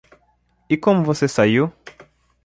E como você saiu?